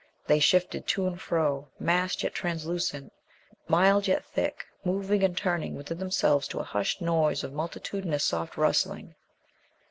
They shifted to and fro, massed yet translucent, mild yet thick, moving and turning within themselves to a hushed noise of multitudinous soft rustling.